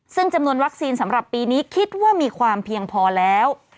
ซึ่งจำนวนวัคซีนสำหรับปีนี้คิดว่ามีความเพียงพอแล้ว